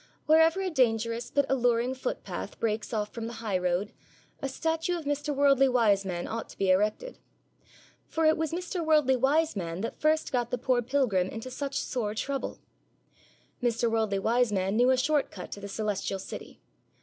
Wherever a dangerous but alluring footpath breaks off from the high road, a statue of Mr. Worldly Wiseman ought to be erected. For it was Mr. Worldly Wiseman that first got the poor pilgrim into such sore trouble. Mr. Worldly Wiseman knew a short cut to the Celestial City.